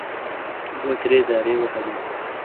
اوبو ترې دارې وهلې. .